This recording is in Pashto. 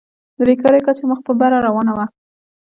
د بېکارۍ کچه مخ په بره روانه وه.